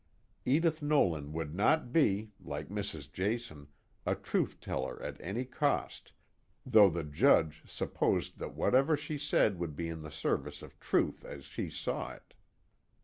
Edith Nolan would not be, like Mrs. Jason, a truth teller at any cost, though the Judge supposed that whatever she said would be in the service of truth as she saw it.